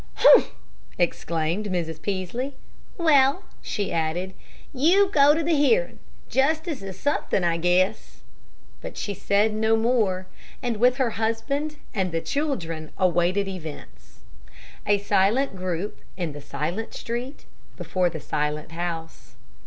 "Humph!" exclaimed Mrs. Peaslee. "Well," she added, "you go to the hearin'. Justice is suthin', I guess." But she said no more, and with her husband and the children awaited events a silent group in the silent street before the silent house.